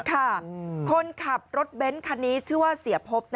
คนขับรถเบ้นคันนี้ชื่อว่าเสียพบ